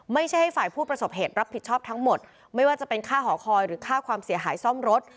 ให้ฝ่ายผู้ประสบเหตุรับผิดชอบทั้งหมดไม่ว่าจะเป็นค่าหอคอยหรือค่าความเสียหายซ่อมรถ